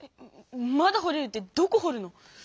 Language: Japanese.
「まだほれる」ってどこほるの？